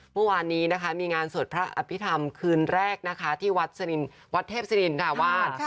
เมื่อวานนี้นะคะมีงานสวดพระอภิษฐรรมคืนแรกนะคะที่วัดเทพศิรินค่ะวาส